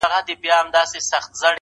دا روايت د ټولنې ژور نقد وړلاندي کوي,